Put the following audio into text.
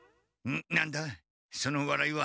何だそのわらいは？